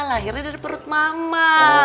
lahirnya dari perut mama